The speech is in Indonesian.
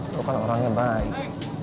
lu kan orangnya baik